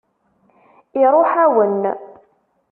Iṛuḥ-awen.